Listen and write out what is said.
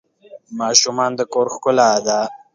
ماشومان د کور ښکلا ده.